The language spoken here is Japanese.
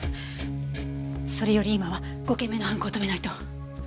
それより今は５件目の犯行を止めないと。